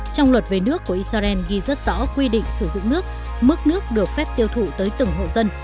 trong luật về nước của israel ghi rất rõ quy định sử dụng nước mức nước được phép tiêu thụ tới từng hộ dân